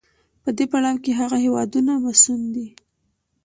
په دې پړاو کې هغه هېوادونه مصون دي.